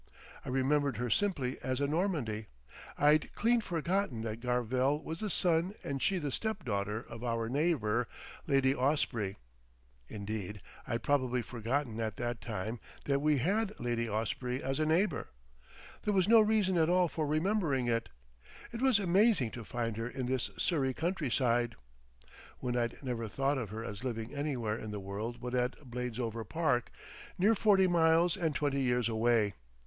I remembered her simply as a Normandy. I'd clean forgotten that Garvell was the son and she the step daughter of our neighbour, Lady Osprey. Indeed, I'd probably forgotten at that time that we had Lady Osprey as a neighbour. There was no reason at all for remembering it. It was amazing to find her in this Surrey countryside, when I'd never thought of her as living anywhere in the world but at Bladesover Park, near forty miles and twenty years away.